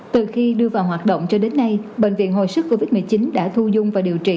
từ khi đưa vào hoạt động cho đến nay bệnh viện hồi sức covid một mươi chín đã thu dung và điều trị